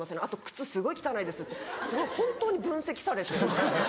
あと靴すごい汚いです」ってすごい本当に分析されて。